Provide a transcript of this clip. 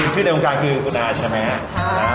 ชื่อในโรงการคือคุณหาชะแมน